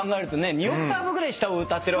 ２オクターブぐらい下を歌ってるわけだもんね。